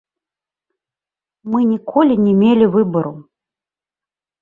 Мы ніколі не мелі выбару.